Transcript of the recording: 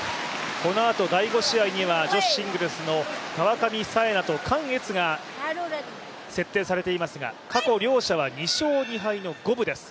このあと第５試合には女子シングルスの川上紗恵奈と韓悦が設定されていますが、過去両者は２勝２敗の五分です。